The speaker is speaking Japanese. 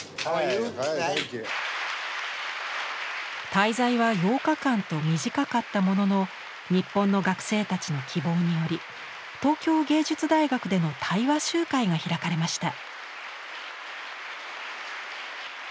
滞在は８日間と短かったものの日本の学生たちの希望により東京藝術大学での対話集会が開かれました。